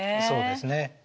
そうですね。